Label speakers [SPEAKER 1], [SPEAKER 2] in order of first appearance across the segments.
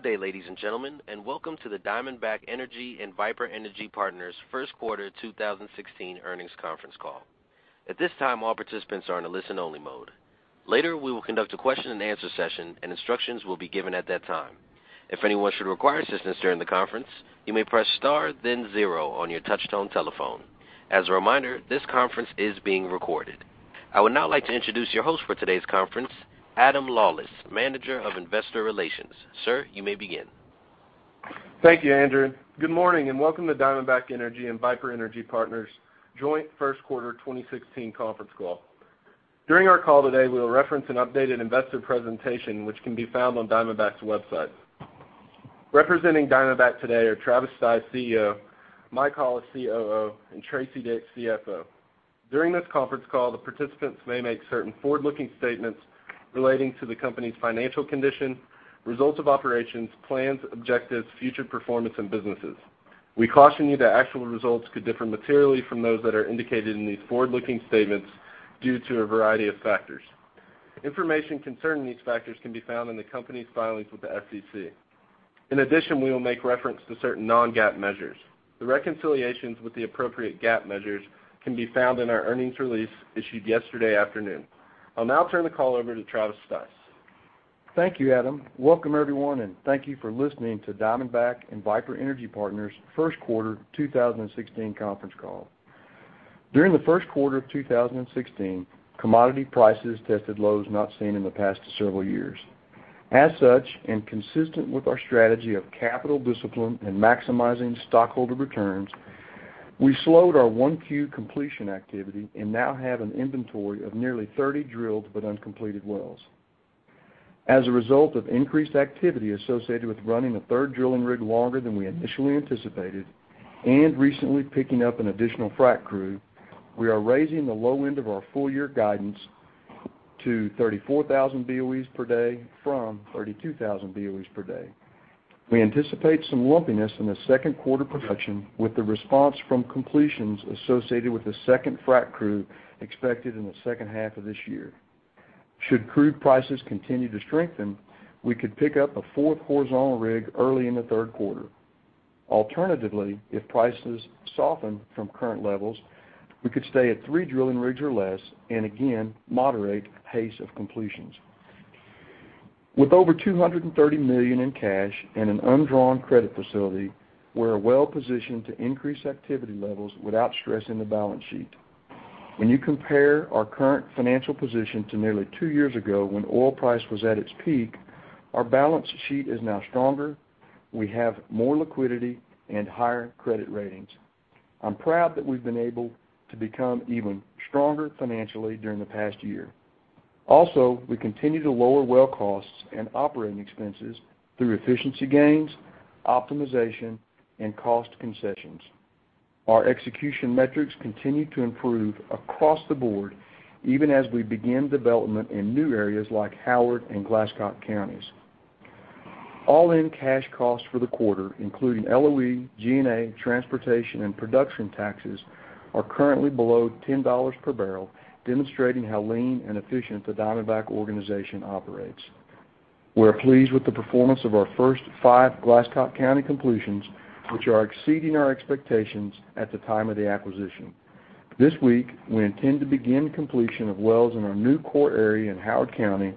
[SPEAKER 1] Good day, ladies and gentlemen, and welcome to the Diamondback Energy and Viper Energy Partners first quarter 2016 earnings conference call. At this time, all participants are in a listen-only mode. Later, we will conduct a question and answer session and instructions will be given at that time. If anyone should require assistance during the conference, you may press star then zero on your touchtone telephone. As a reminder, this conference is being recorded. I would now like to introduce your host for today's conference, Adam Lawlis, Manager of Investor Relations. Sir, you may begin.
[SPEAKER 2] Thank you, Andrew. Good morning, and welcome to Diamondback Energy and Viper Energy Partners joint first quarter 2016 conference call. During our call today, we'll reference an updated investor presentation which can be found on Diamondback's website. Representing Diamondback today are Travis Stice, CEO; Mike Hollis, COO, and Tracy Dick, CFO. During this conference call, the participants may make certain forward-looking statements relating to the company's financial condition, results of operations, plans, objectives, future performance, and businesses. We caution you that actual results could differ materially from those that are indicated in these forward-looking statements due to a variety of factors. Information concerning these factors can be found in the company's filings with the SEC. In addition, we will make reference to certain non-GAAP measures. The reconciliations with the appropriate GAAP measures can be found in our earnings release issued yesterday afternoon. I'll now turn the call over to Travis Stice.
[SPEAKER 3] Thank you, Adam. Welcome everyone, and thank you for listening to Diamondback and Viper Energy Partners' first quarter 2016 conference call. During the first quarter of 2016, commodity prices tested lows not seen in the past several years. As such, and consistent with our strategy of capital discipline and maximizing stockholder returns, we slowed our 1Q completion activity and now have an inventory of nearly 30 drilled but uncompleted wells. As a result of increased activity associated with running a third drilling rig longer than we initially anticipated, and recently picking up an additional frack crew, we are raising the low end of our full year guidance to 34,000 BOEs per day from 32,000 BOEs per day. We anticipate some lumpiness in the second quarter production with the response from completions associated with the second frack crew expected in the second half of this year. Should crude prices continue to strengthen, we could pick up a fourth horizontal rig early in the third quarter. Alternatively, if prices soften from current levels, we could stay at three drilling rigs or less, and again, moderate pace of completions. With over $230 million in cash and an undrawn credit facility, we're well-positioned to increase activity levels without stressing the balance sheet. When you compare our current financial position to nearly two years ago when oil price was at its peak, our balance sheet is now stronger, we have more liquidity, and higher credit ratings. I'm proud that we've been able to become even stronger financially during the past year. We continue to lower well costs and operating expenses through efficiency gains, optimization, and cost concessions. Our execution metrics continue to improve across the board, even as we begin development in new areas like Howard and Glasscock counties. All-in cash costs for the quarter, including LOE, G&A, transportation, and production taxes, are currently below $10 per barrel, demonstrating how lean and efficient the Diamondback organization operates. We're pleased with the performance of our first five Glasscock County completions, which are exceeding our expectations at the time of the acquisition. This week, we intend to begin completion of wells in our new core area in Howard County,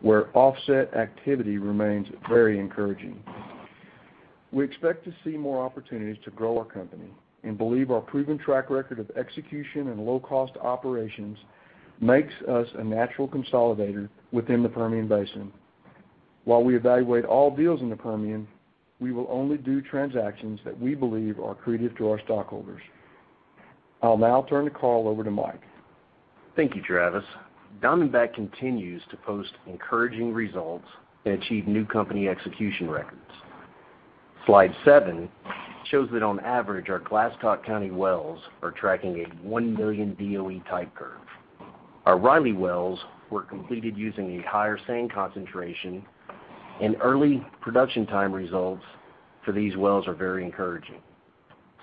[SPEAKER 3] where offset activity remains very encouraging. We expect to see more opportunities to grow our company and believe our proven track record of execution and low-cost operations makes us a natural consolidator within the Permian Basin. We evaluate all deals in the Permian, we will only do transactions that we believe are accretive to our stockholders. I'll now turn the call over to Mike.
[SPEAKER 4] Thank you, Travis. Diamondback continues to post encouraging results and achieve new company execution records. Slide seven shows that on average, our Glasscock County wells are tracking a 1 million BOE type curve. Our Riley wells were completed using a higher sand concentration, and early production time results for these wells are very encouraging.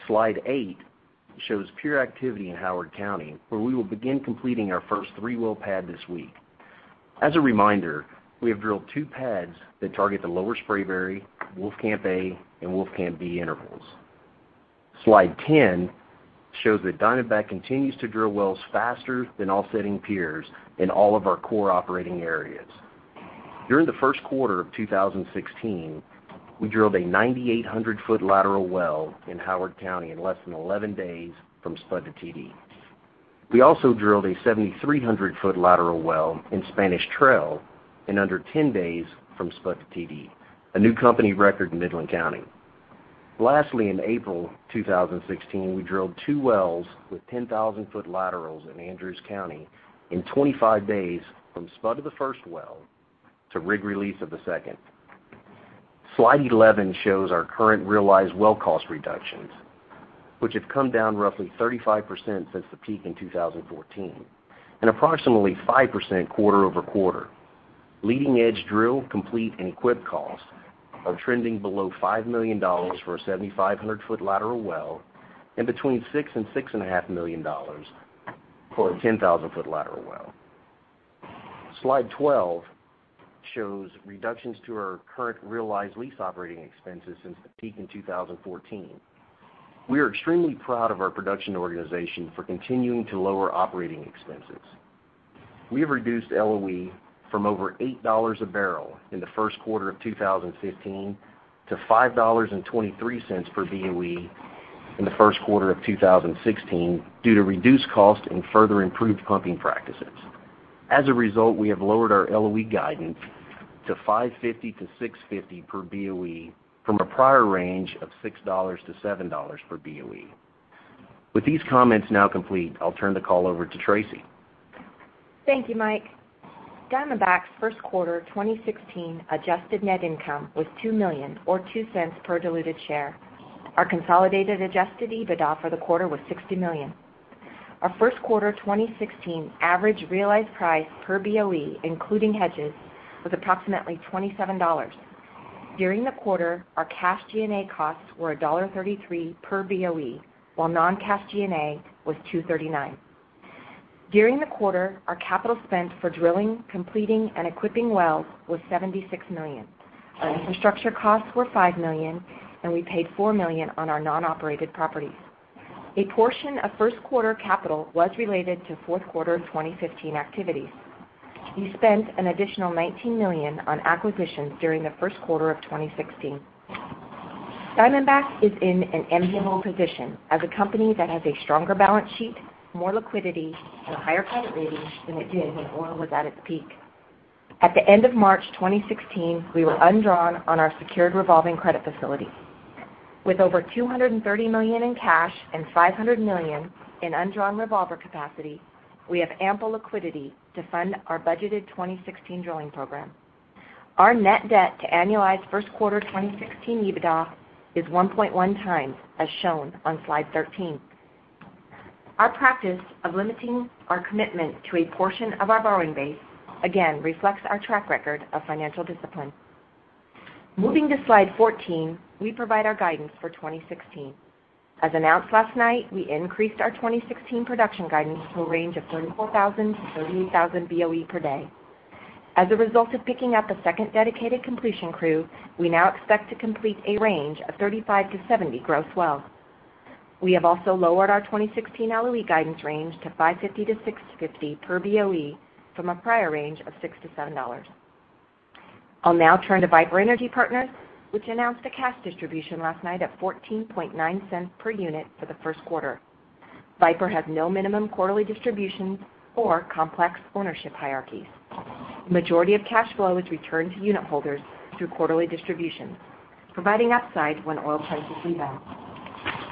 [SPEAKER 4] Slide eight shows peer activity in Howard County, where we will begin completing our first three-well pad this week. We have drilled two pads that target the Lower Spraberry, Wolfcamp A, and Wolfcamp B intervals. Slide 10 shows that Diamondback continues to drill wells faster than offsetting peers in all of our core operating areas. During the first quarter of 2016, we drilled a 9,800-foot lateral well in Howard County in less than 11 days from spud to TD. We also drilled a 7,300-foot lateral well in Spanish Trail in under 10 days from spud to TD, a new company record in Midland County. In April 2016, we drilled two wells with 10,000-foot laterals in Andrews County in 25 days from spud to the first well to rig release of the second. Slide 11 shows our current realized well cost reductions, which have come down roughly 35% since the peak in 2014, and approximately 5% quarter-over-quarter. Leading-edge drill, complete, and equip costs are trending below $5 million for a 7,500-foot lateral well and between $6 million and $6.5 million for a 10,000-foot lateral well. Slide 12 shows reductions to our current realized lease operating expenses since the peak in 2014. We are extremely proud of our production organization for continuing to lower operating expenses. We have reduced LOE from over $8 a barrel in the first quarter of 2015 to $5.23 per BOE in the first quarter of 2016 due to reduced cost and further improved pumping practices. As a result, we have lowered our LOE guidance to $5.50-$6.50 per BOE from a prior range of $6 to $7 per BOE. With these comments now complete, I'll turn the call over to Tracy.
[SPEAKER 5] Thank you, Mike. Diamondback's first quarter 2016 adjusted net income was $2 million or $0.02 per diluted share. Our consolidated adjusted EBITDA for the quarter was $60 million. Our first quarter 2016 average realized price per BOE, including hedges, was approximately $27. During the quarter, our cash G&A costs were $1.33 per BOE, while non-cash G&A was $2.39 per BOE. During the quarter, our capital spend for drilling, completing, and equipping wells was $76 million. Our infrastructure costs were $5 million, and we paid $4 million on our non-operated properties. A portion of first quarter capital was related to fourth quarter 2015 activities. We spent an additional $19 million on acquisitions during the first quarter of 2016. Diamondback is in an enviable position as a company that has a stronger balance sheet, more liquidity, and a higher credit rating than it did when oil was at its peak. At the end of March 2016, we were undrawn on our secured revolving credit facility. With over $230 million in cash and $500 million in undrawn revolver capacity, we have ample liquidity to fund our budgeted 2016 drilling program. Our net debt to annualized first quarter 2016 EBITDA is 1.1 times, as shown on slide 13. Our practice of limiting our commitment to a portion of our borrowing base, again, reflects our track record of financial discipline. Moving to slide 14, we provide our guidance for 2016. As announced last night, we increased our 2016 production guidance to a range of 34,000 to 38,000 BOE per day. As a result of picking up a second dedicated completion crew, we now expect to complete a range of 35 to 70 gross wells. We have also lowered our 2016 LOE guidance range to $5.50-$6.50 per BOE from a prior range of $6 to $7. I'll now turn to Viper Energy Partners, which announced a cash distribution last night at $0.149 per unit for the first quarter. Viper has no minimum quarterly distributions or complex ownership hierarchies. The majority of cash flow is returned to unit holders through quarterly distributions, providing upside when oil prices rebound.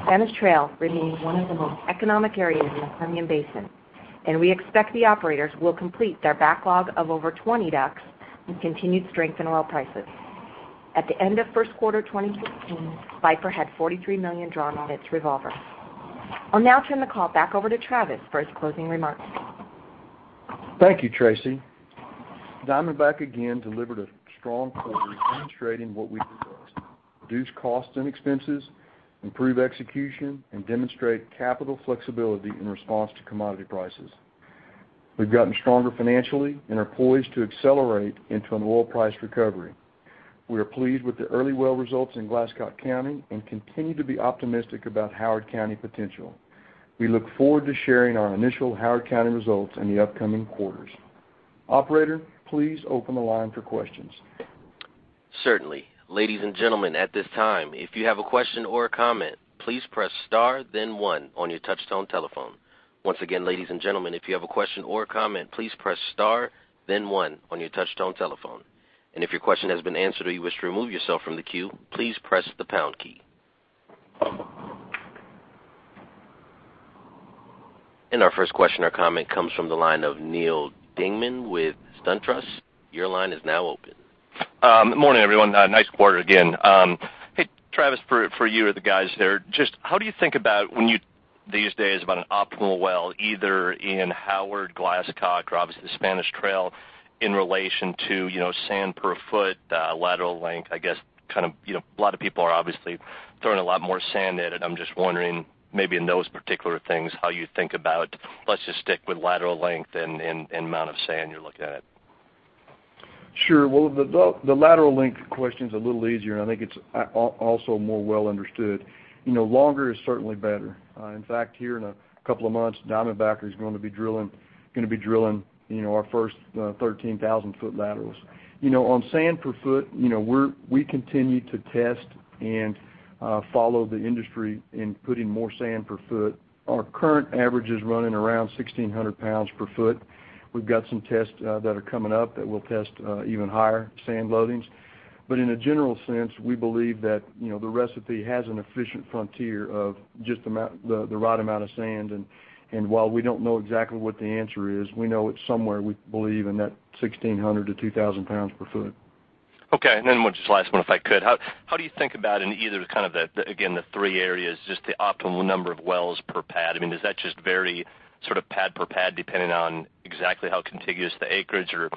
[SPEAKER 5] Spanish Trail remains one of the most economic areas in the Permian Basin, and we expect the operators will complete their backlog of over 20 DUCs with continued strength in oil prices. At the end of first quarter 2016, Viper had $43 million drawn on its revolver. I'll now turn the call back over to Travis for his closing remarks.
[SPEAKER 3] Thank you, Tracy. Diamondback again delivered a strong quarter demonstrating what we proposed: reduce costs and expenses, improve execution, and demonstrate capital flexibility in response to commodity prices. We've gotten stronger financially and are poised to accelerate into an oil price recovery. We are pleased with the early well results in Glasscock County and continue to be optimistic about Howard County potential. We look forward to sharing our initial Howard County results in the upcoming quarters. Operator, please open the line for questions.
[SPEAKER 1] Certainly. Ladies and gentlemen, at this time, if you have a question or a comment, please press star then one on your touchtone telephone. Once again, ladies and gentlemen, if you have a question or a comment, please press star then one on your touchtone telephone. If your question has been answered or you wish to remove yourself from the queue, please press the pound key. Our first question or comment comes from the line of Neal Dingmann with SunTrust. Your line is now open.
[SPEAKER 6] Morning, everyone. Nice quarter again. Hey, Travis, for you or the guys there, just how do you think about when you these days about an optimal well, either in Howard, Glasscock, or obviously the Spanish Trail, in relation to sand per foot, lateral length? I guess, a lot of people are obviously throwing a lot more sand at it. I'm just wondering, maybe in those particular things, how you think about, let's just stick with lateral length and amount of sand you're looking at.
[SPEAKER 3] Sure. Well, the lateral length question's a little easier, I think it's also more well understood. Longer is certainly better. In fact, here in a couple of months, Diamondback is going to be drilling our first 13,000 foot laterals. On sand per foot, we continue to test and follow the industry in putting more sand per foot. Our current average is running around 1,600 pounds per foot. We've got some tests that are coming up that will test even higher sand loadings. In a general sense, we believe that the recipe has an efficient frontier of just the right amount of sand. While we don't know exactly what the answer is, we know it's somewhere, we believe, in that 1,600 to 2,000 pounds per foot.
[SPEAKER 6] Okay, then just last one, if I could. How do you think about in either kind of the, again, the three areas, just the optimal number of wells per pad? Is that just very sort of pad per pad, depending on exactly how contiguous the acreage, or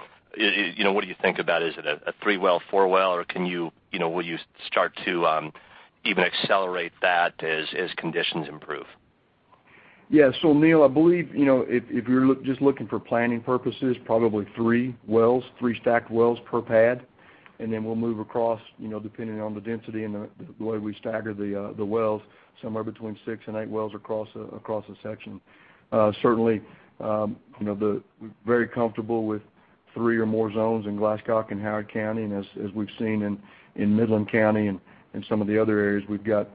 [SPEAKER 6] what do you think about? Is it a three-well, four-well, or will you start to even accelerate that as conditions improve?
[SPEAKER 3] Yes. Neal, I believe, if you're just looking for planning purposes, probably three wells, three stacked wells per pad, then we'll move across, depending on the density and the way we stagger the wells, somewhere between six and eight wells across a section. Certainly, we're very comfortable with three or more zones in Glasscock and Howard County, and as we've seen in Midland County and some of the other areas, we've got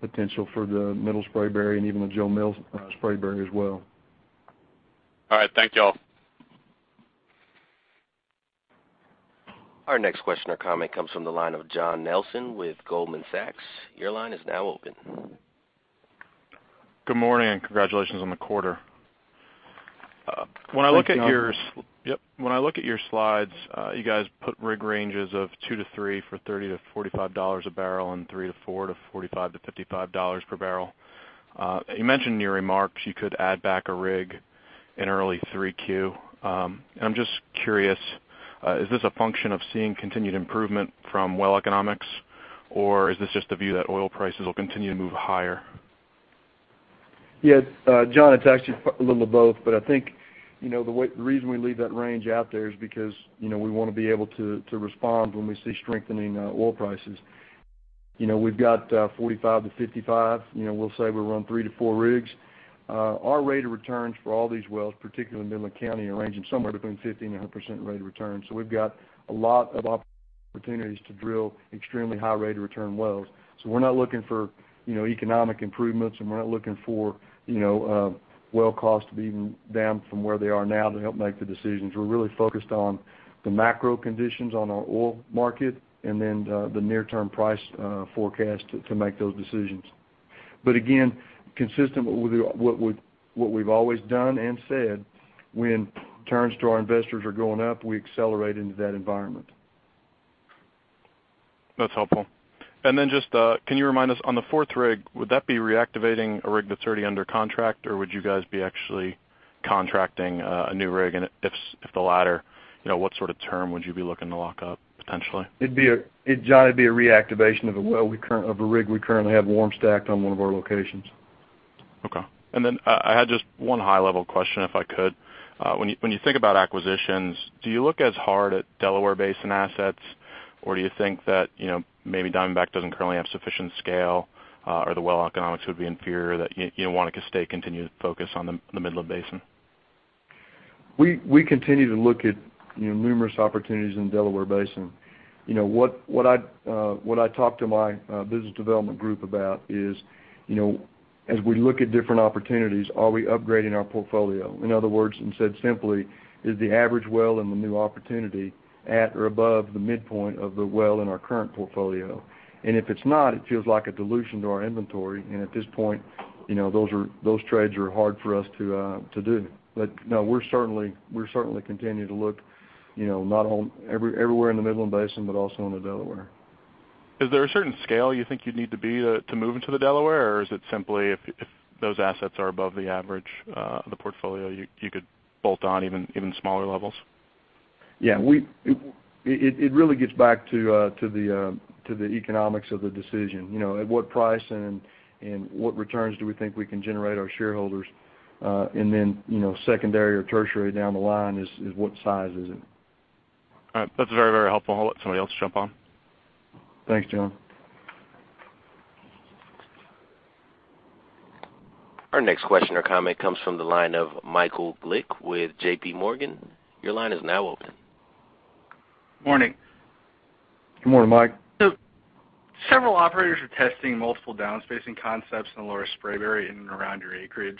[SPEAKER 3] potential for the Middle Spraberry and even the Jo Mill Spraberry as well.
[SPEAKER 6] All right. Thank you all.
[SPEAKER 1] Our next question or comment comes from the line of John Nelson with Goldman Sachs. Your line is now open.
[SPEAKER 7] Good morning. Congratulations on the quarter.
[SPEAKER 3] Thank you, John.
[SPEAKER 7] Yep. When I look at your slides, you guys put rig ranges of two to three for $30-$45 a barrel and three to four to $45-$55 per barrel. You mentioned in your remarks you could add back a rig in early 3Q. I'm just curious, is this a function of seeing continued improvement from well economics, or is this just a view that oil prices will continue to move higher?
[SPEAKER 3] Yes, John, it's actually a little of both. I think the reason we leave that range out there is because we want to be able to respond when we see strengthening oil prices. We've got $45-$55, we'll say we run three to four rigs. Our rate of returns for all these wells, particularly in Midland County, are ranging somewhere between 15%-100% rate of return. We've got a lot of opportunities to drill extremely high rate of return wells. We're not looking for economic improvements, we're not looking for well costs to be even down from where they are now to help make the decisions. We're really focused on the macro conditions on our oil market, the near-term price forecast to make those decisions. Again, consistent with what we've always done and said, when returns to our investors are going up, we accelerate into that environment.
[SPEAKER 7] That's helpful. Then just, can you remind us, on the fourth rig, would that be reactivating a rig that's already under contract, or would you guys be actually contracting a new rig? If the latter, what sort of term would you be looking to lock up, potentially?
[SPEAKER 3] John, it'd be a reactivation of a rig we currently have warm stacked on one of our locations.
[SPEAKER 7] Okay. Then, I had just one high-level question, if I could. When you think about acquisitions, do you look as hard at Delaware Basin assets, or do you think that maybe Diamondback doesn't currently have sufficient scale, or the well economics would be inferior, that you want to just stay continued focus on the Midland Basin?
[SPEAKER 3] We continue to look at numerous opportunities in Delaware Basin. What I talk to my business development group about is, as we look at different opportunities, are we upgrading our portfolio? In other words, and said simply, is the average well in the new opportunity at or above the midpoint of the well in our current portfolio? If it's not, it feels like a dilution to our inventory. At this point, those trades are hard for us to do. No, we certainly continue to look everywhere in the Midland Basin, but also in the Delaware.
[SPEAKER 7] Is there a certain scale you think you'd need to be to move into the Delaware? Is it simply if those assets are above the average of the portfolio, you could bolt on even smaller levels?
[SPEAKER 3] Yeah. It really gets back to the economics of the decision. At what price and what returns do we think we can generate our shareholders? Then, secondary or tertiary down the line is what size is it.
[SPEAKER 7] All right. That's very helpful. I'll let somebody else jump on.
[SPEAKER 3] Thanks, John.
[SPEAKER 1] Our next question or comment comes from the line of Michael Glick with JPMorgan. Your line is now open.
[SPEAKER 8] Morning.
[SPEAKER 3] Good morning, Mike.
[SPEAKER 8] Several operators are testing multiple downspacing concepts in the Lower Spraberry in and around your acreage.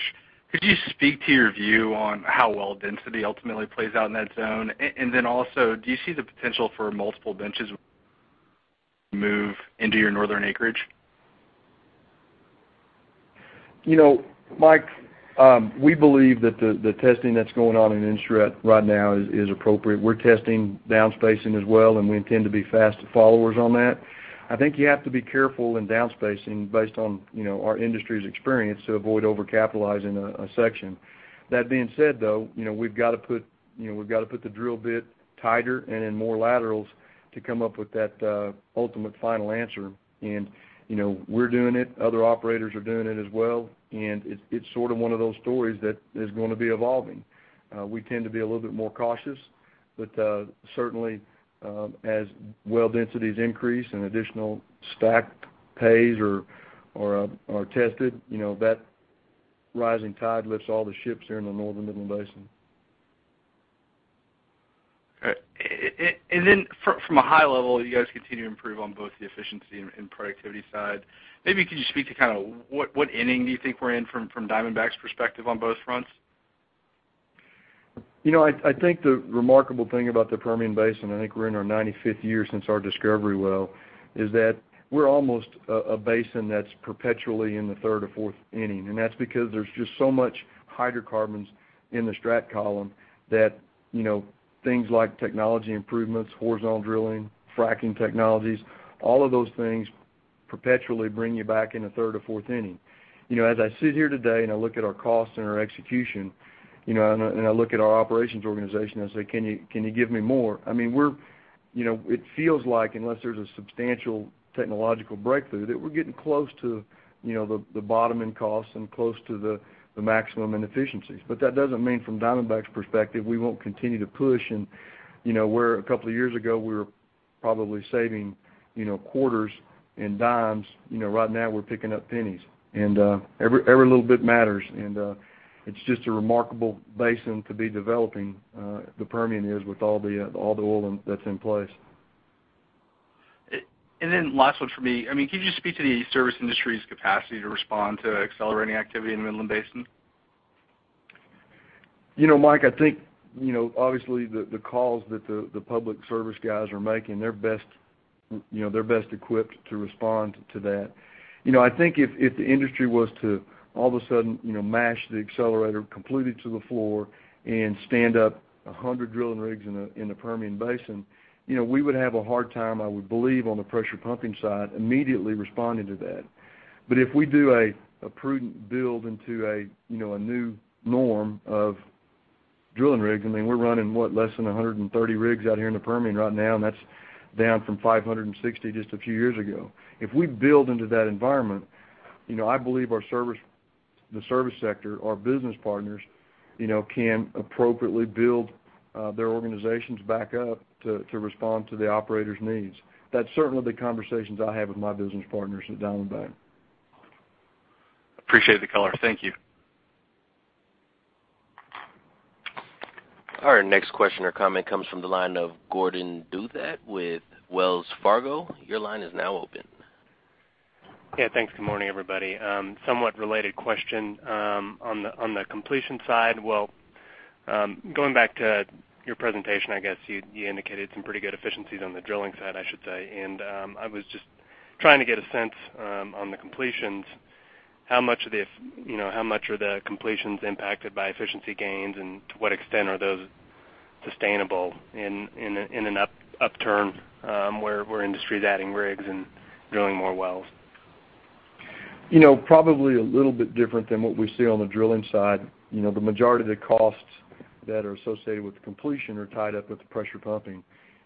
[SPEAKER 8] Could you speak to your view on how well density ultimately plays out in that zone? Also, do you see the potential for multiple benches move into your northern acreage?
[SPEAKER 3] Mike, we believe that the testing that's going on in [Inset] right now is appropriate. We're testing downspacing as well, we intend to be fast followers on that. I think you have to be careful in downspacing based on our industry's experience to avoid overcapitalizing a section. That being said, though, we've got to put the drill bit tighter and in more laterals to come up with that ultimate final answer. We're doing it, other operators are doing it as well, and it's sort of one of those stories that is going to be evolving. We tend to be a little bit more cautious, but certainly, as well densities increase and additional stack pays are tested, that rising tide lifts all the ships here in the Northern Midland Basin.
[SPEAKER 8] Okay. From a high level, you guys continue to improve on both the efficiency and productivity side. Maybe could you speak to what inning do you think we're in from Diamondback's perspective on both fronts?
[SPEAKER 3] I think the remarkable thing about the Permian Basin, I think we're in our 95th year since our discovery well, is that we're almost a basin that's perpetually in the third or fourth inning, and that's because there's just so much hydrocarbons in the stratigraphic column that things like technology improvements, horizontal drilling, fracking technologies, all of those things perpetually bring you back in the third or fourth inning. As I sit here today and I look at our cost and our execution, and I look at our operations organization, I say, "Can you give me more?" I mean, it feels like unless there's a substantial technological breakthrough, that we're getting close to the bottom in costs and close to the maximum in efficiencies. That doesn't mean from Diamondback's perspective, we won't continue to push and where a couple of years ago, we were probably saving quarters and dimes, right now we're picking up pennies. Every little bit matters, and it's just a remarkable basin to be developing, the Permian is, with all the oil that's in place.
[SPEAKER 8] Last one from me. Can you speak to the service industry's capacity to respond to accelerating activity in the Midland Basin?
[SPEAKER 3] Mike, I think, obviously, the calls that the public service guys are making, they're best equipped to respond to that. I think if the industry was to all of a sudden mash the accelerator completely to the floor and stand up 100 drilling rigs in the Permian Basin, we would have a hard time, I would believe, on the pressure pumping side, immediately responding to that. If we do a prudent build into a new norm of drilling rigs, I mean, we're running, what, less than 130 rigs out here in the Permian right now, and that's down from 560 just a few years ago. If we build into that environment, I believe the service sector, our business partners, can appropriately build their organizations back up to respond to the operators' needs. That's certainly the conversations I have with my business partners at Diamondback.
[SPEAKER 8] Appreciate the color. Thank you.
[SPEAKER 1] Our next question or comment comes from the line of Gordon Douthat with Wells Fargo. Your line is now open.
[SPEAKER 9] Yeah, thanks. Good morning, everybody. Somewhat related question on the completion side. Well, going back to your presentation, I guess, you indicated some pretty good efficiencies on the drilling side, I should say. I was just trying to get a sense on the completions, how much are the completions impacted by efficiency gains, and to what extent are those sustainable in an upturn, where industry is adding rigs and drilling more wells?
[SPEAKER 3] Probably a little bit different than what we see on the drilling side. The majority of the costs that are associated with the completion are tied up with the pressure pumping.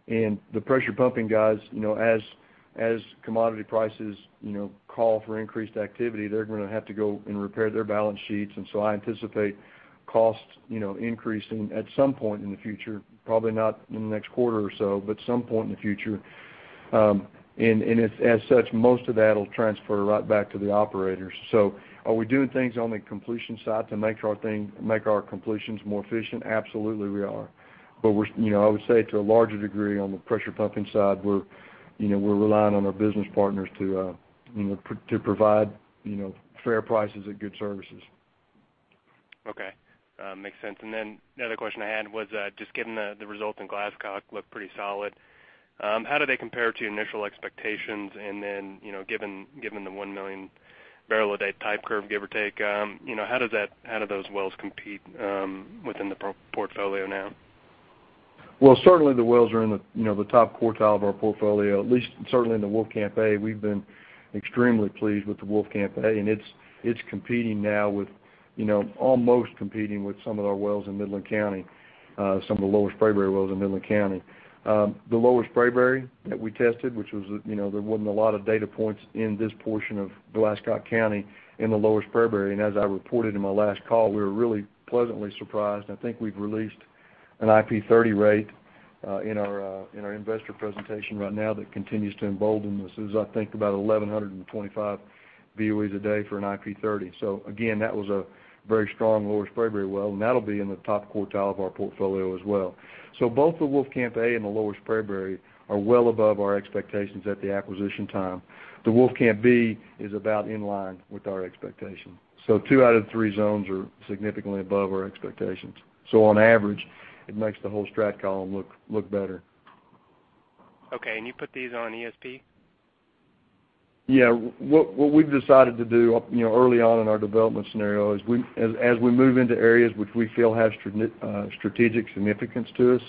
[SPEAKER 3] The pressure pumping guys, as commodity prices call for increased activity, they are going to have to go and repair their balance sheets. I anticipate costs increasing at some point in the future, probably not in the next quarter or so, but some point in the future. As such, most of that will transfer right back to the operators. Are we doing things on the completion side to make our completions more efficient? Absolutely, we are. I would say to a larger degree on the pressure pumping side, we are relying on our business partners to provide fair prices at good services.
[SPEAKER 9] Okay. Makes sense. The other question I had was just given the results in Glasscock looked pretty solid, how do they compare to initial expectations? Given the 1 million barrel a day type curve, give or take, how do those wells compete within the portfolio now?
[SPEAKER 3] Well, certainly the wells are in the top quartile of our portfolio, at least certainly in the Wolfcamp A. We have been extremely pleased with the Wolfcamp A, and it is almost competing with some of our wells in Midland County, some of the Lower Spraberry wells in Midland County. The Lower Spraberry that we tested, which there wasn't a lot of data points in this portion of Glasscock County in the Lower Spraberry. As I reported in my last call, we were really pleasantly surprised. I think we have released an IP 30 rate in our investor presentation right now that continues to embolden this. This is, I think, about 1,125 BOEs a day for an IP 30. Again, that was a very strong Lower Spraberry well, and that will be in the top quartile of our portfolio as well. Both the Wolfcamp A and the Lower Spraberry are well above our expectations at the acquisition time. The Wolfcamp B is about in line with our expectation. Two out of the three zones are significantly above our expectations. On average, it makes the whole stratigraphic column look better.
[SPEAKER 9] Okay, you put these on ESP?
[SPEAKER 3] Yeah. What we've decided to do early on in our development scenario is as we move into areas which we feel have strategic significance to us,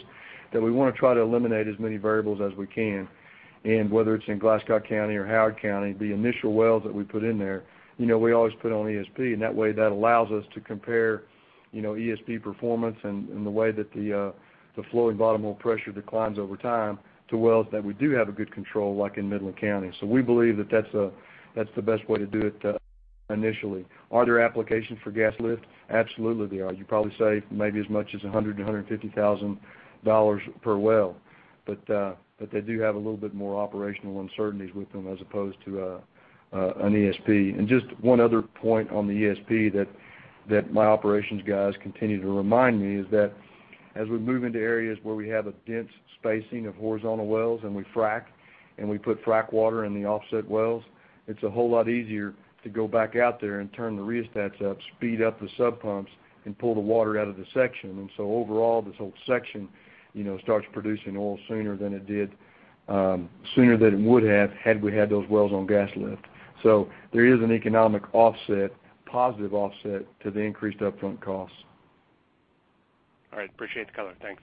[SPEAKER 3] that we want to try to eliminate as many variables as we can. Whether it's in Glasscock County or Howard County, the initial wells that we put in there, we always put on ESP, and that way that allows us to compare ESP performance and the way that the flowing bottom oil pressure declines over time to wells that we do have a good control, like in Midland County. We believe that that's the best way to do it initially. Are there applications for gas lift? Absolutely, there are. You'd probably say maybe as much as $100,000-$150,000 per well. They do have a little bit more operational uncertainties with them as opposed to an ESP. Just one other point on the ESP that my operations guys continue to remind me is that as we move into areas where we have a dense spacing of horizontal wells and we frack and we put frack water in the offset wells, it's a whole lot easier to go back out there and turn the rheostats up, speed up the sub pumps, and pull the water out of the section. Overall, this whole section starts producing oil sooner than it would have had we had those wells on gas lift. There is an economic offset, positive offset to the increased upfront costs.
[SPEAKER 9] All right. Appreciate the color. Thanks.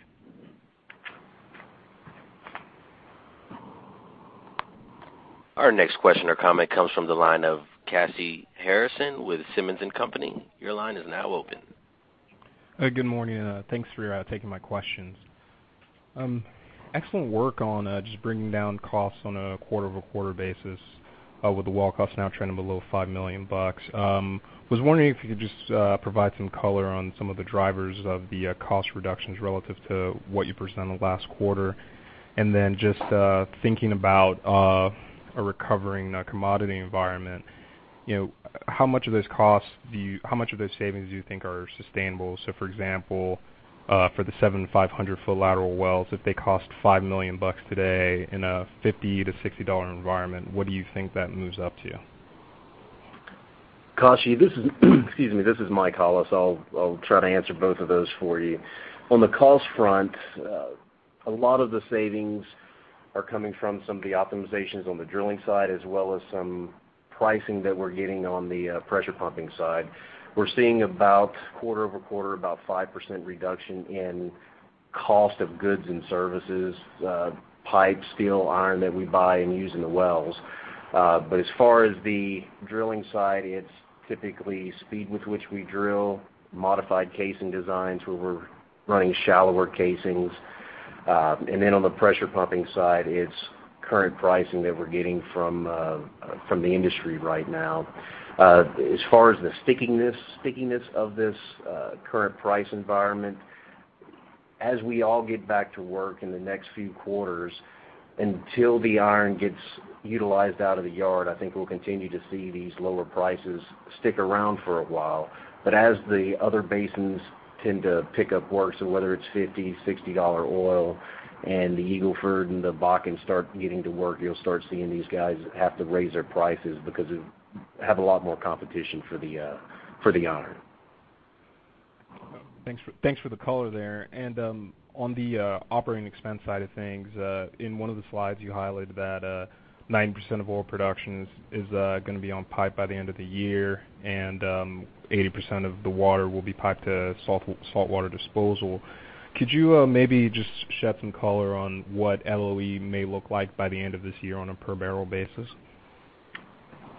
[SPEAKER 1] Our next question or comment comes from the line of Kashy Harrison with Simmons & Company. Your line is now open.
[SPEAKER 10] Good morning. Thanks for taking my questions. Excellent work on just bringing down costs on a quarter-over-quarter basis with the well costs now trending below $5 million. Was wondering if you could just provide some color on some of the drivers of the cost reductions relative to what you presented last quarter. Just thinking about a recovering commodity environment, how much of those savings do you think are sustainable? So for example, for the 7,500-foot lateral wells, if they cost $5 million today in a $50-$60 environment, what do you think that moves up to?
[SPEAKER 4] Kashy, this is Michael Hollis. I'll try to answer both of those for you. On the cost front, a lot of the savings are coming from some of the optimizations on the drilling side, as well as some pricing that we're getting on the pressure pumping side. We're seeing about quarter-over-quarter, about 5% reduction in cost of goods and services, pipe, steel, iron that we buy and use in the wells. As far as the drilling side, it's typically speed with which we drill, modified casing designs where we're running shallower casings. On the pressure pumping side, it's current pricing that we're getting from the industry right now. As far as the stickiness of this current price environment, as we all get back to work in the next few quarters, until the iron gets utilized out of the yard, I think we'll continue to see these lower prices stick around for a while. As the other basins tend to pick up work, whether it's $50, $60 oil and the Eagle Ford and the Bakken start getting to work, you'll start seeing these guys have to raise their prices because they have a lot more competition for the iron.
[SPEAKER 10] Thanks for the color there. On the operating expense side of things, in one of the slides, you highlighted that 90% of oil production is going to be on pipe by the end of the year and 80% of the water will be piped to saltwater disposal. Could you maybe just shed some color on what LOE may look like by the end of this year on a per barrel basis?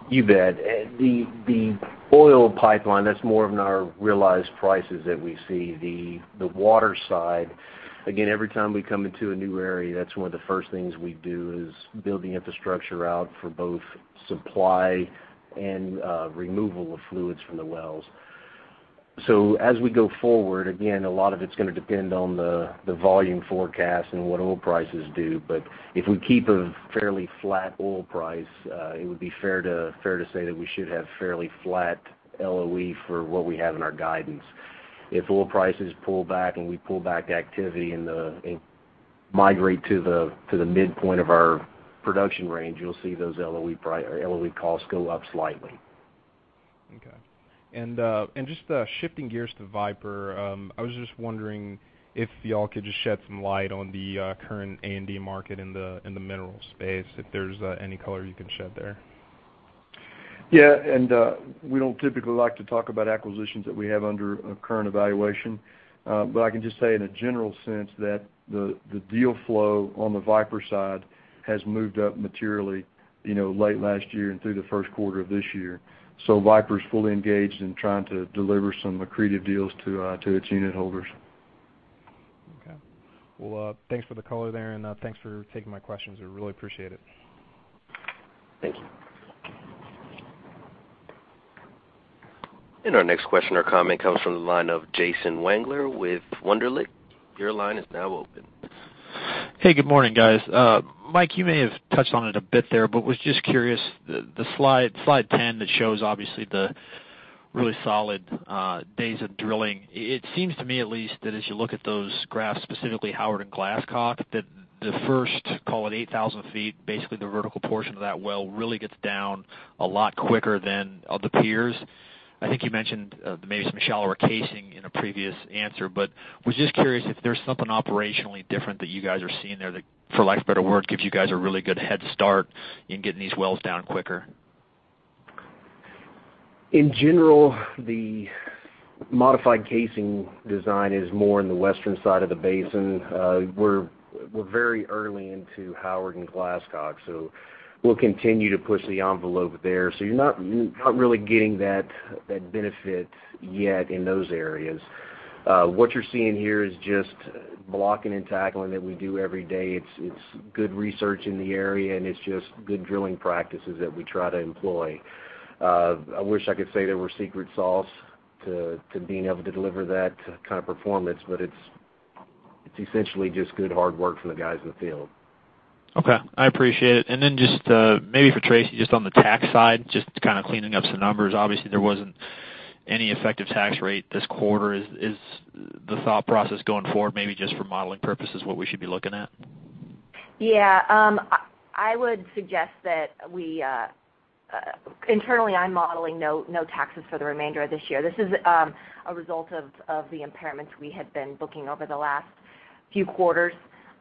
[SPEAKER 4] You bet. The oil pipeline, that's more of in our realized prices that we see. The water side, again, every time we come into a new area, that's one of the first things we do is build the infrastructure out for both supply and removal of fluids from the wells. As we go forward, again, a lot of it's going to depend on the volume forecast and what oil prices do. If we keep a fairly flat oil price, it would be fair to say that we should have fairly flat LOE for what we have in our guidance. If oil prices pull back and we pull back activity and migrate to the midpoint of our production range, you'll see those LOE costs go up slightly.
[SPEAKER 10] Okay. Just shifting gears to Viper, I was just wondering if y'all could just shed some light on the current A&D market in the minerals space, if there's any color you can shed there.
[SPEAKER 3] Yeah, we don't typically like to talk about acquisitions that we have under a current evaluation. I can just say in a general sense that the deal flow on the Viper side has moved up materially late last year and through the first quarter of this year. Viper's fully engaged in trying to deliver some accretive deals to its unit holders.
[SPEAKER 10] Okay. Well, thanks for the color there, thanks for taking my questions. I really appreciate it.
[SPEAKER 4] Thank you.
[SPEAKER 1] Our next question or comment comes from the line of Jason Wangler with Wunderlich. Your line is now open.
[SPEAKER 11] Hey, good morning, guys. Mike, you may have touched on it a bit there. Was just curious, the slide 10 that shows obviously the really solid days of drilling. It seems to me at least that as you look at those graphs, specifically Howard and Glasscock, that the first, call it 8,000 feet, basically the vertical portion of that well really gets down a lot quicker than other peers. I think you mentioned maybe some shallower casing in a previous answer. Was just curious if there's something operationally different that you guys are seeing there that, for lack of a better word, gives you guys a really good head start in getting these wells down quicker.
[SPEAKER 4] In general, the modified casing design is more in the western side of the basin. We're very early into Howard and Glasscock, we'll continue to push the envelope there. You're not really getting that benefit yet in those areas. What you're seeing here is just blocking and tackling that we do every day. It's good research in the area, it's just good drilling practices that we try to employ. I wish I could say there were secret sauce to being able to deliver that kind of performance, it's essentially just good hard work from the guys in the field.
[SPEAKER 11] Okay. I appreciate it. Then just maybe for Tracy, just on the tax side, just to cleaning up some numbers. Obviously, there wasn't any effective tax rate this quarter. Is the thought process going forward, maybe just for modeling purposes, what we should be looking at?
[SPEAKER 5] Yeah. I would suggest that internally, I'm modeling no taxes for the remainder of this year. This is a result of the impairments we had been booking over the last few quarters.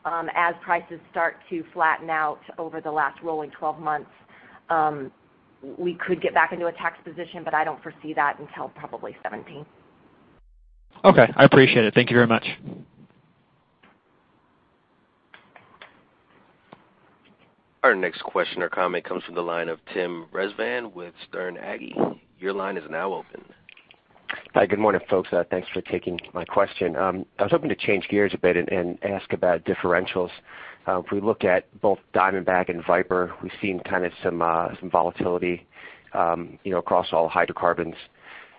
[SPEAKER 5] As prices start to flatten out over the last rolling 12 months, we could get back into a tax position, I don't foresee that until probably 2017.
[SPEAKER 11] Okay. I appreciate it. Thank you very much.
[SPEAKER 1] Our next question or comment comes from the line of Tim Rezvan with Sterne Agee. Your line is now open.
[SPEAKER 12] Hi, good morning, folks. Thanks for taking my question. I was hoping to change gears a bit and ask about differentials. If we look at both Diamondback and Viper, we've seen some volatility across all hydrocarbons.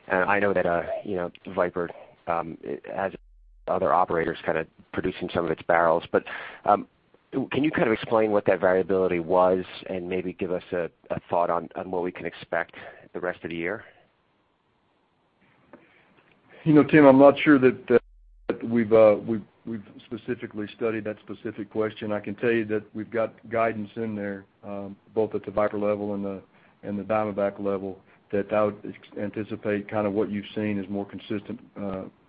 [SPEAKER 12] I know that Viper has other operators producing some of its barrels. Can you explain what that variability was and maybe give us a thought on what we can expect the rest of the year?
[SPEAKER 3] Tim, I'm not sure that we've specifically studied that specific question. I can tell you that we've got guidance in there both at the Viper level and the Diamondback level that I would anticipate what you've seen is more consistent,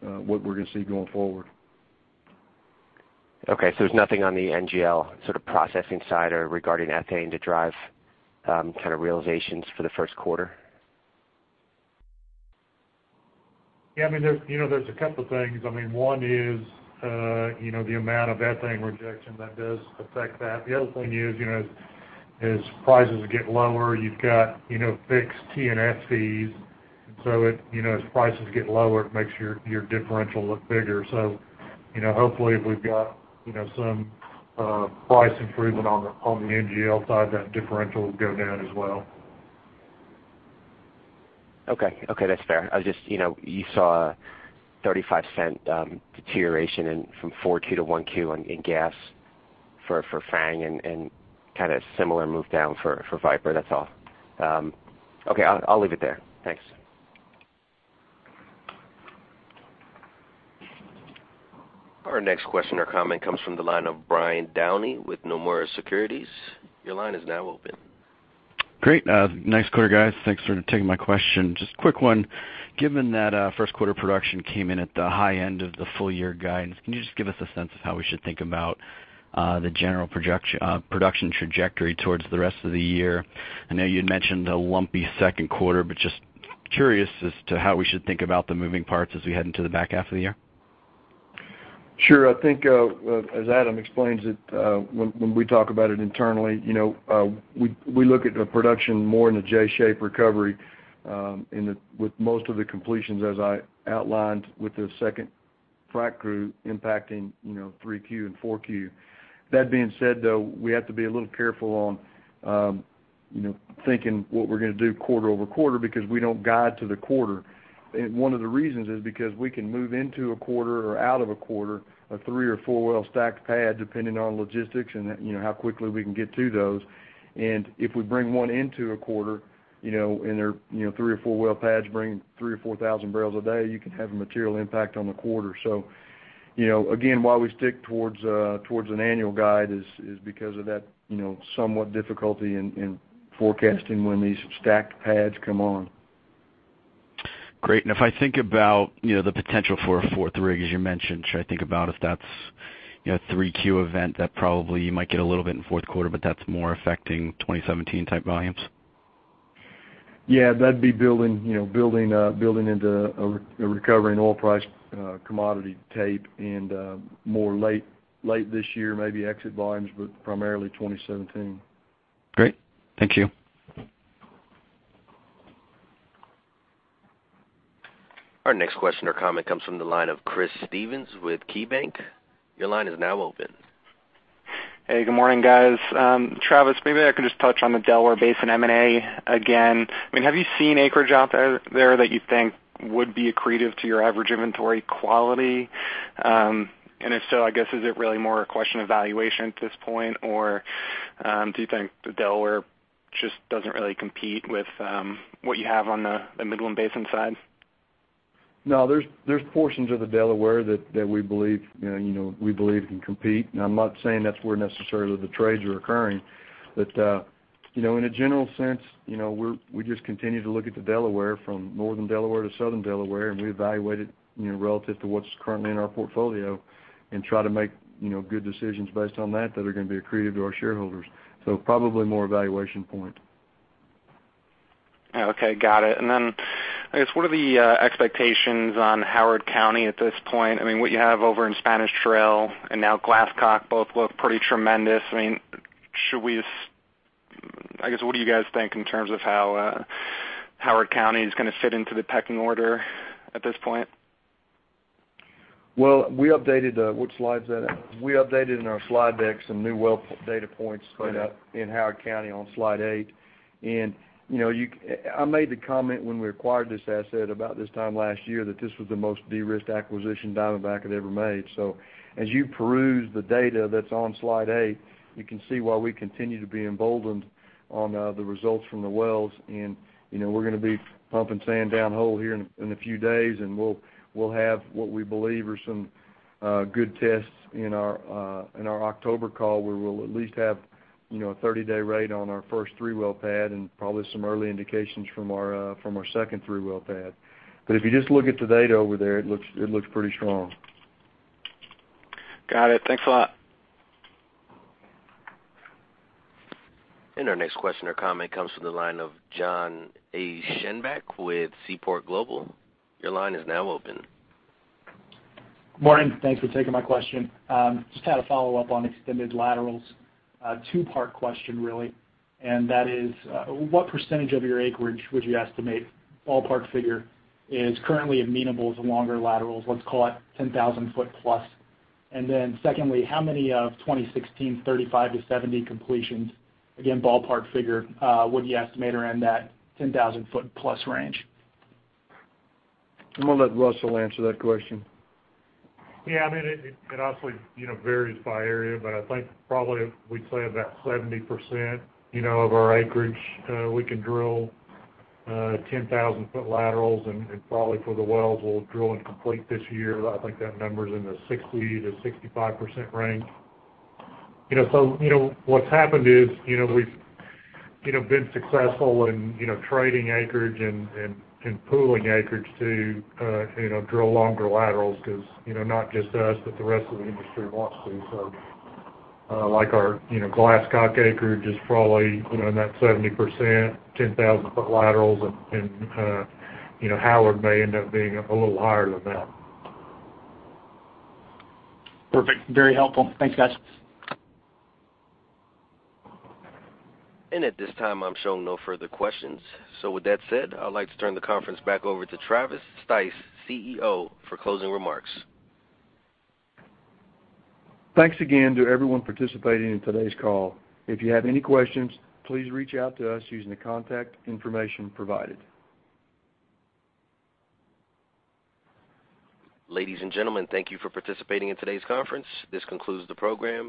[SPEAKER 3] what we're going to see going forward.
[SPEAKER 12] Okay. There's nothing on the NGL processing side or regarding ethane to drive realizations for the first quarter?
[SPEAKER 3] Yeah, there's a couple of things. One is the amount of ethane rejection that does affect that. The other thing is, as prices get lower, you've got fixed Transportation and Fractionation fees, as prices get lower, it makes your differential look bigger. Hopefully, if we've got some price improvement on the NGL side, that differential will go down as well.
[SPEAKER 12] Okay. That's fair. You saw $0.35 deterioration in from 4Q to 1Q in gas for FANG and similar move down for Viper. That's all. Okay, I'll leave it there. Thanks.
[SPEAKER 1] Our next question or comment comes from the line of Brian Downey with Nomura Securities. Your line is now open.
[SPEAKER 13] Great. Nice quarter, guys. Thanks for taking my question. Just a quick one. Given that first quarter production came in at the high end of the full year guidance, can you just give us a sense of how we should think about the general production trajectory towards the rest of the year? I know you'd mentioned a lumpy second quarter, but just curious as to how we should think about the moving parts as we head into the back half of the year.
[SPEAKER 3] Sure. I think as Adam explains it when we talk about it internally, we look at the production more in a J-shape recovery with most of the completions, as I outlined with the second frac crew impacting 3Q and 4Q. That being said, though, we have to be a little careful on thinking what we're going to do quarter-over-quarter because we don't guide to the quarter. One of the reasons is because we can move into a quarter or out of a quarter, a three or four-well stacked pad, depending on logistics and how quickly we can get to those. If we bring one into a quarter, and they're three or four-well pads bringing 3,000 or 4,000 barrels a day, you can have a material impact on the quarter. Again, why we stick towards an annual guide is because of that somewhat difficulty in forecasting when these stacked pads come on.
[SPEAKER 13] Great. If I think about the potential for a fourth rig, as you mentioned, should I think about if that's a 3Q event that probably you might get a little bit in fourth quarter, but that's more affecting 2017 type volumes?
[SPEAKER 3] Yeah, that'd be building into a recovery in oil price commodity tape more late this year, maybe exit volumes, primarily 2017.
[SPEAKER 13] Great. Thank you.
[SPEAKER 1] Our next question or comment comes from the line of Chris Stevens with KeyBank. Your line is now open.
[SPEAKER 14] Hey, good morning, guys. Travis, maybe I could just touch on the Delaware Basin M&A again. Have you seen acreage out there that you think would be accretive to your average inventory quality? If so, I guess, is it really more a question of valuation at this point, or do you think the Delaware just doesn't really compete with what you have on the Midland Basin side?
[SPEAKER 3] No, there's portions of the Delaware that we believe can compete. I'm not saying that's where necessarily the trades are occurring, but in a general sense, we just continue to look at the Delaware from Northern Delaware to Southern Delaware, and we evaluate it relative to what's currently in our portfolio and try to make good decisions based on that are going to be accretive to our shareholders. Probably more a valuation point.
[SPEAKER 14] Okay, got it. I guess, what are the expectations on Howard County at this point? What you have over in Spanish Trail and now Glasscock both look pretty tremendous. What do you guys think in terms of how Howard County is going to fit into the pecking order at this point?
[SPEAKER 3] Well, we updated Which slide is that, Adam? We updated in our slide deck some new well data points in Howard County on slide eight. I made the comment when we acquired this asset about this time last year that this was the most de-risked acquisition Diamondback had ever made. As you peruse the data that's on slide eight, you can see why we continue to be emboldened on the results from the wells. We're going to be pumping sand down hole here in a few days, and we'll have what we believe are some good tests in our October call, where we'll at least have a 30-day rate on our first 3-well pad and probably some early indications from our second 3-well pad. If you just look at the data over there, it looks pretty strong.
[SPEAKER 14] Got it. Thanks a lot.
[SPEAKER 1] Our next question or comment comes from the line of John Aschenbeck with Seaport Global. Your line is now open.
[SPEAKER 15] Morning. Thanks for taking my question. Just had a follow-up on extended laterals. Two-part question, really, and that is, what % of your acreage would you estimate, ballpark figure, is currently amenable as longer laterals, let's call it 10,000 foot plus? Secondly, how many of 2016 35 to 70 completions, again, ballpark figure, would you estimate are in that 10,000 foot plus range?
[SPEAKER 3] I'm going to let Russell answer that question.
[SPEAKER 16] Yeah. It honestly varies by area, I think probably we'd say about 70% of our acreage we can drill 10,000 foot laterals, probably for the wells we'll drill and complete this year, I think that number's in the 60-65% range. What's happened is, we've been successful in trading acreage and pooling acreage to drill longer laterals because not just us, but the rest of the industry wants to. Like our Glasscock acreage is probably in that 70%, 10,000 foot laterals, and Howard may end up being a little higher than that.
[SPEAKER 15] Perfect. Very helpful. Thanks, guys.
[SPEAKER 1] At this time, I'm showing no further questions. With that said, I'd like to turn the conference back over to Travis Stice, CEO, for closing remarks.
[SPEAKER 3] Thanks again to everyone participating in today's call. If you have any questions, please reach out to us using the contact information provided.
[SPEAKER 1] Ladies and gentlemen, thank you for participating in today's conference. This concludes the program.